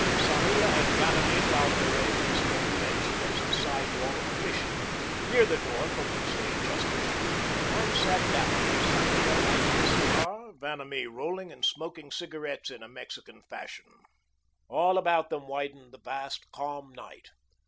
Sarria and Vanamee found their way to a stone bench against the side wall of the Mission, near the door from which they had just issued, and sat down, Sarria lighting a cigar, Vanamee rolling and smoking cigarettes in Mexican fashion. All about them widened the vast calm night.